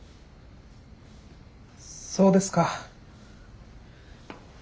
そうですか。